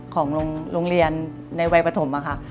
ของโรงเรียนในวัยปฐมค่ะ